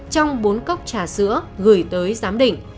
trong bốn cốc trà sữa gửi tới giám đỉnh